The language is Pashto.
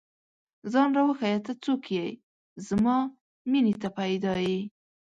ځان راوښیه، ته څوک ئې؟ زما مینې ته پيدا ې